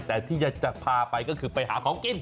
แต่ที่จะพาไปก็คือไปหาของกิน